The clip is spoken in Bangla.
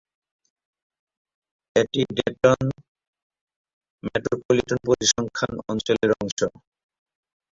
এটি ডেটন মেট্রোপলিটন পরিসংখ্যান অঞ্চলের অংশ।